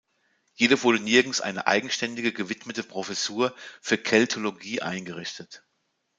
Jedoch wurde nirgends eine eigenständige gewidmete Professur für Keltologie eingerichtet.